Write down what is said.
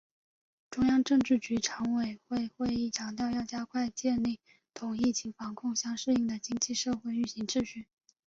中央政治局常委会会议强调要加快建立同疫情防控相适应的经济社会运行秩序